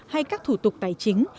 hay các thủ tục tài chính